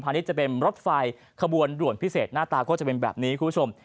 ณิชย์จะเป็นรถไฟขบวนด่วนพิเศษหน้าตาก็จะเป็นแบบนี้คุณผู้ชม